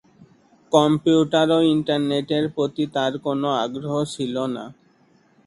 Computer ও internet এর প্রতি তার কোন আগ্রহ ছিল না।